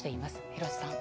廣瀬さん。